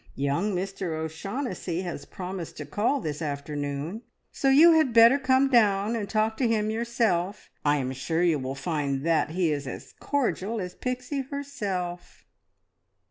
Young Mr O'Shaughnessy has promised to call this afternoon, so you had better come down and talk to him yourself. I am sure you will find that he is as cordial as Pixie herself."